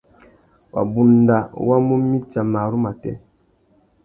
Wabunda wa mú mitsa marru matê.